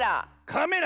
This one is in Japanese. カメラ。